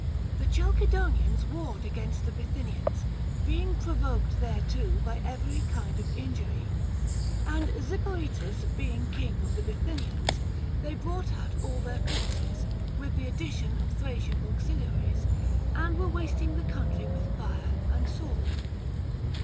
The Chalcedonians warred against the Bithy nians, being provoked thereto by every kind of injury. And Zipoetus being king of the Bithynians, they brought out all their forces, with the addition of Thracian auxil iaries, and were wasting the country with fire and sword.